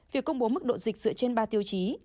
việc công bố mức độ dịch dựa trên ba tiêu chí